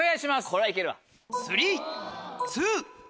これはいけるわ。